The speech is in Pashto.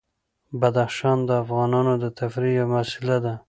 بدخشان د افغانانو د تفریح یوه وسیله ده.